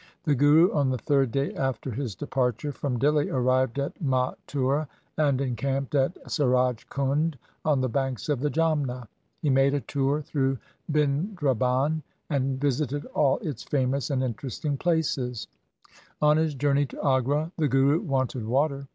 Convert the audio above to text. The Guru on the third day after his departure from Dihli arrived at Mathura and encamped at Suraj Kund, on the banks of the Jamna. He made a tour through Bindraban and visited all its famous and interesting places. On his journey to Agra the Guru wanted water.